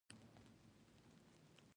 احمد خپل سر په سلمان باندې جوړ کړ.